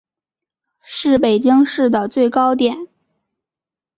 是北京市的最高点。